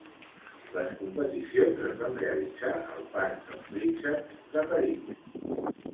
Les competicions es van realitzar al Parc dels Prínceps de París.